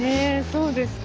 そうですね。